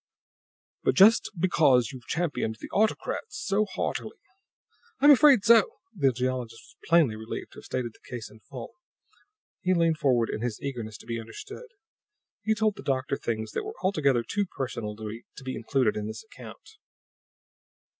"But just because you've championed the autocrats so heartily " "I'm afraid so!" The geologist was plainly relieved to have stated the case in full. He leaned forward in his eagerness to be understood. He told the doctor things that were altogether too personal to be included in this account.